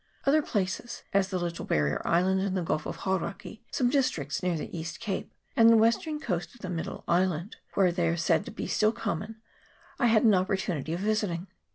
Other places as the Little Barrier Island in the gulf of Hauraki, some districts near the East Cape and the western coast of the Middle Island, where they are said to be still common I had no opportunity of visiting.